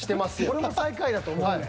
俺も最下位だと思うねん。